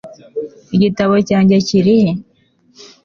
igitabo cyanjye kiri he